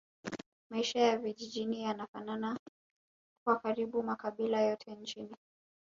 Maisha ya vijijini yanafanana kwa karibu makabila yote nchini